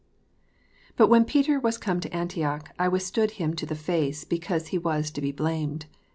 "But when Peter ivas come to Antioch, I withstood him to the face, because he was to be blamed.